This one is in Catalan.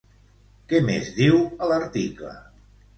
Què més diu a l'article?